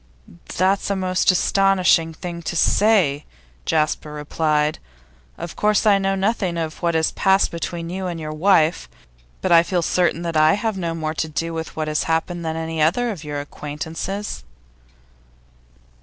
'That's a most astonishing thing to say,' Jasper replied. 'Of course I know nothing of what has passed between you and your wife, but I feel certain that I have no more to do with what has happened than any other of your acquaintances.